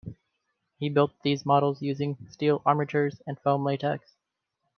He built these models using steel armatures and foam latex.